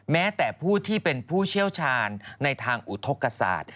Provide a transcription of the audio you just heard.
แม้แต่ผู้ที่เป็นผู้เชี่ยวชาญในทางอุทธกษาต